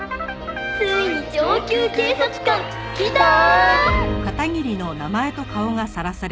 「ついに上級警察官きたー！」